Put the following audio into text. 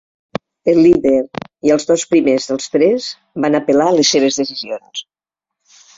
El líder i els dos primers dels tres van apel·lar les seves decisions.